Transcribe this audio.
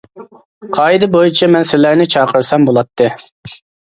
قائىدە بويىچە مەن سىلەرنى چاقىرسام بولاتتى.